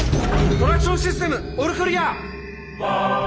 トラクションシステムオールクリア！